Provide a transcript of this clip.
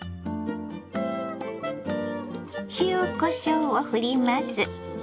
塩こしょうをふります。